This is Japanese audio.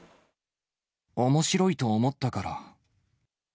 おもしろいと思ったから。